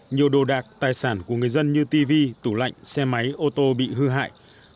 nhiều đồ đạc tài sản của người dân như tv tủ lạnh xe máy ô tô bị hư hại